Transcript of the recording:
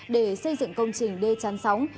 để xây dựng công trình đê chăn sóng